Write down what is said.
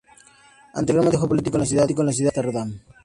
Anteriormente fue político en la ciudad de Ámsterdam.